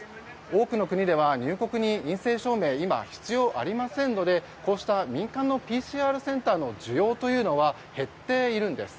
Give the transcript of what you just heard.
多くの国では入国に陰性証明は今、必要ありませんのでこうした民間のＰＣＲセンターの需要というのは減っているんです。